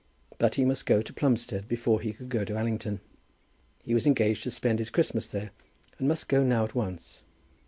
But he must go to Plumstead before he could go to Allington. He was engaged to spend his Christmas there, and must go now at once.